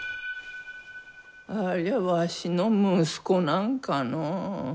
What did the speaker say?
ありゃわしの息子なんかのう？